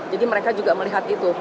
jadi mereka juga melihat itu